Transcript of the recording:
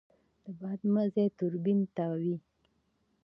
د باد مزی توربین تاووي.